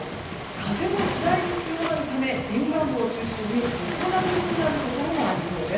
風も次第に強まるため沿岸部を中心に横殴りになるところもありそうです。